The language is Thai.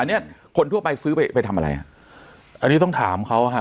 อันนี้คนทั่วไปซื้อไปไปทำอะไรอ่ะอันนี้ต้องถามเขาฮะ